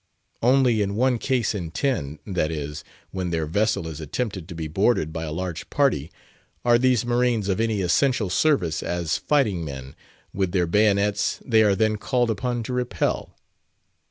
Only in one case in ten—that is, when their vessel is attempted to be boarded by a large party, are these marines of any essential service as fighting men; with their bayonets they are then called upon to "repel!"